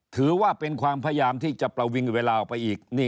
ถือว่าเป็นความพยายามที่จะประวิงเวลาออกไปอีก